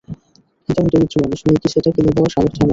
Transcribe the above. কিন্তু আমি দরিদ্র মানুষ, মেয়েকে সেটা কিনে দেওয়ার সামর্থ্য আমার নেই।